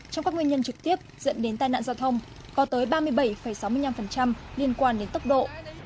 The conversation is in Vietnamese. trong các nguyên nhân trực tiếp dẫn đến tai nạn giao thông có tới ba mươi bảy sáu mươi năm liên quan đến tốc độ